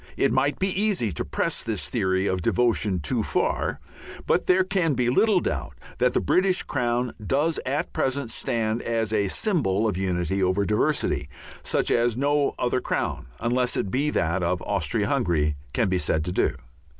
It might be easy to press this theory of devotion too far, but there can be little doubt that the British Crown does at present stand as a symbol of unity over diversity such as no other crown, unless it be that of Austria Hungary, can be said to do.